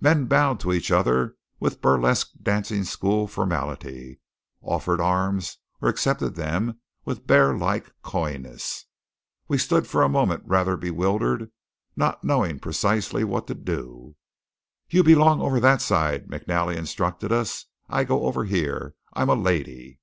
Men bowed to each other with burlesque dancing school formality, offered arms, or accepted them with bearlike coyness. We stood for a moment rather bewildered, not knowing precisely what to do. "You belong over that side," McNally instructed us. "I go over here; I'm a 'lady.'"